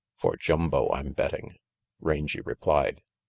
"For Jumbo, I'm betting," Rangy replied.